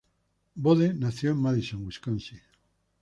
Bode nació en Madison, Wisconsin.